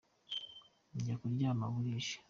jya kuryama burije